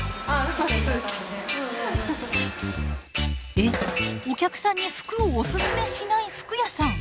えお客さんに服をオススメしない服屋さん！